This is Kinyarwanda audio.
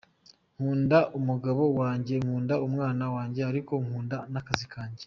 Nkunda umugabo wanjye, nkunda umwana wanjye ariko nkunda n’ akazi kanjye.